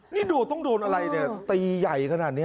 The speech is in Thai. นี่ดูต้องโดนอะไรเนี่ยตีใหญ่ขนาดนี้